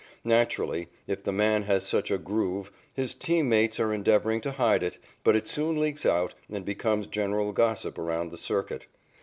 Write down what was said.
Naturally, if the man has such a "groove," his team mates are endeavoring to hide it, but it soon leaks out and becomes general gossip around the circuit.